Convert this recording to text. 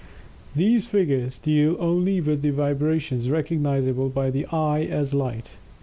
These figures deal only with the vibrations recognizable by the eye as light.